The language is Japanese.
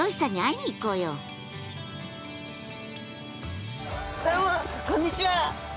こんにちは。